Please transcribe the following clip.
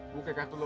buka kartu lo